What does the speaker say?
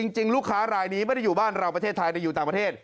จริงลูกค้ารายนี้ไม่ได้อยู่บ้านเราประเทศไทยแต่อยู่ต่างประเทศ